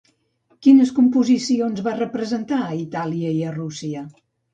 Quines composicions va representar a Itàlia i a Rússia?